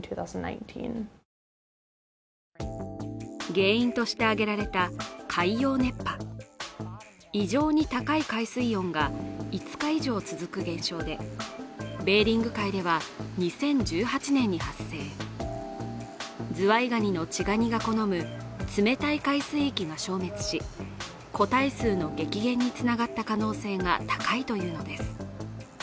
原因として挙げられた海洋熱波異常に高い海水温が５日以上続く現象でベーリング海では２０１８年に発生ズワイガニ稚ガニが好む冷たい海水域が消滅し、個体数の激減に繋がった可能性が高いというのです。